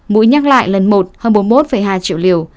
mũi nhắc lại lần một hơn bốn mươi một hai triệu liều